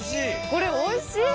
これおいしい！